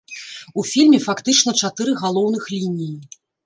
У фільме фактычна чатыры галоўных лініі.